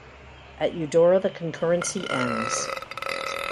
At Eudora, the concurrency ends.